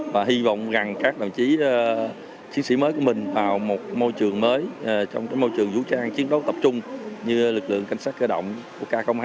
và hy vọng rằng các đồng chí chiến sĩ mới của mình vào một môi trường mới trong môi trường vũ trang chiến đấu tập trung như lực lượng cảnh sát cơ động của k hai